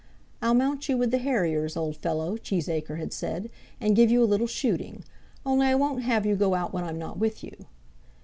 "I'll mount you with the harriers, old fellow," Cheesacre had said; "and give you a little shooting. Only I won't have you go out when I'm not with you."